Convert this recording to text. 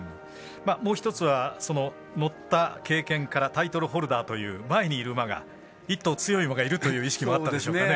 もう一つは、乗った経験からタイトルホルダーという前にいる馬が一頭強い馬がいるという意識もあったでしょうね。